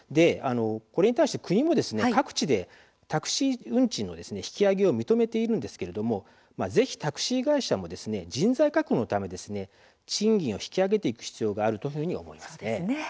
これに対して国も各地でタクシー運賃の引き上げを認めているんですけれどもぜひ、タクシー会社も人材確保のため賃金を引き上げていく必要があるというふうに思います。